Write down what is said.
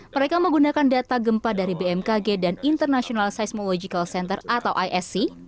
mereka menggunakan data gempa dari bmkg dan international seismological center atau isc